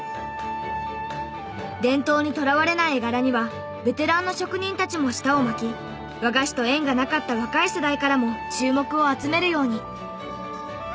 伝統にとらわれない絵柄にはベテランの職人たちも舌を巻き和菓子と縁がなかった若い世代からも注目を集めるように。